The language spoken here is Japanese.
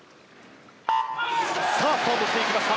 さあ、スタートしていきました。